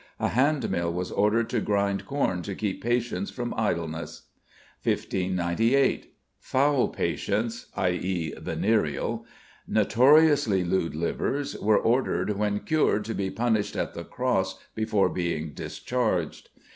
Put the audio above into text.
A hand mill was ordered to grind corn to keep patients from idleness. 1598. Foul patients (i.e., venereal), notoriously lewd livers, were ordered when cured to be punished at the cross before being discharged."